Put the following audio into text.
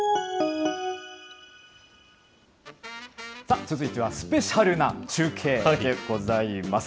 さあ、続いてはスペシャルな中継でございます。